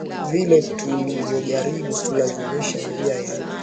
vile tu tulivyojaribu kulazimisha njia yetu ya